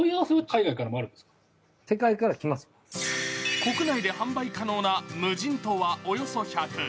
国内で販売可能な無人島はおよそ１００。